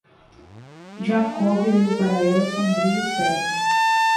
Jakob olhou para ela sombrio e sério.